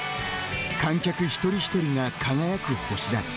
観客一人一人が輝く星だ。